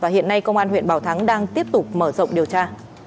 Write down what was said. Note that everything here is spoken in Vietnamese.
hiện nay công an huyện bảo thắng đang tiếp tục mở rộng điều tra